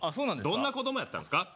どんな子供やったんですか？